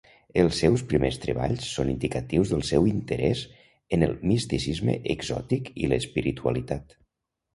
Els seus primers treballs són indicatius del seu interès en el misticisme exòtic i l'espiritualitat.